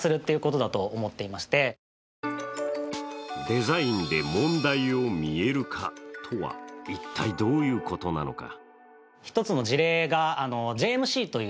デザインで問題を見える化とは一体どういうことなのか。